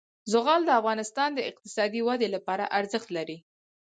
زغال د افغانستان د اقتصادي ودې لپاره ارزښت لري.